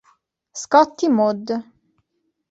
Scotti Mod.